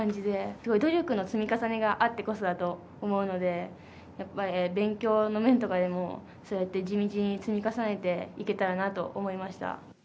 すごい、努力の積み重ねがあってこそだと思うので、やっぱり、勉強の面とかでもそうやって地道に積み重ねていけたらなと思いました。